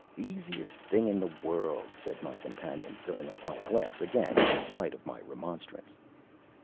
"Easiest thing in the world," said my companion, filling up my glass again in spite of my remonstrance.